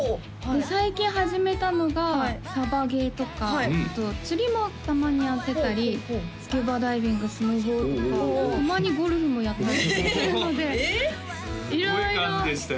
で最近始めたのがサバゲーとかあと釣りもたまにやってたりスキューバダイビングスノボーとかたまにゴルフもやったりするのですごい数でしたよ